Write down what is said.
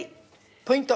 ポイント。